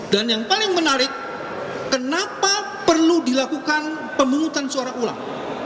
dan yang paling menarik kenapa perlu dilakukan pemungutan suara ulang